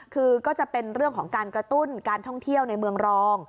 คือก็จะเป็นเรื่องของการกระตุ้นการท่องเที่ยวในเมืองรอง